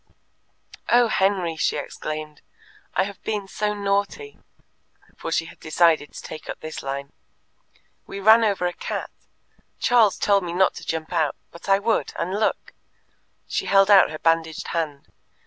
"Oh, Henry," she exclaimed, "I have been so naughty," for she had decided to take up this line. "We ran over a cat. Charles told me not to jump out, but I would, and look!" She held out her bandaged hand.